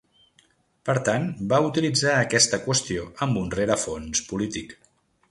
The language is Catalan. Per tant, va utilitzar aquesta qüestió amb un rerefons polític.